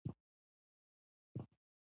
محسن وويل ها بله ورځ چې مې درته وويل.